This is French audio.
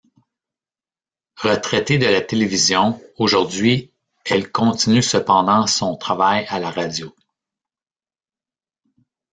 Retraitée de la télévision aujourd'hui, elle continue cependant son travail à la radio.